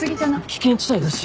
危険地帯だし。